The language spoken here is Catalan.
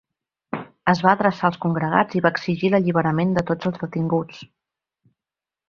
Es va adreçar als congregats i va exigir l’alliberament de tots els detinguts.